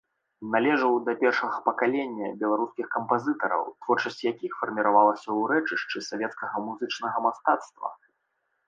Належаў да першага пакалення беларускіх кампазітараў, творчасць якіх фарміравалася ў рэчышчы савецкага музычнага мастацтва.